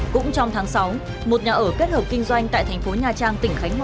cũng trong tháng sáu một nhà ở kết hợp kinh doanh tại tp hcm